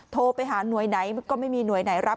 โทรไปหาหน่วยไหนก็ไม่มีหน่วยไหนรับ